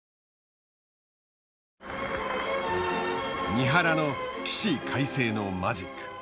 三原の起死回生のマジック。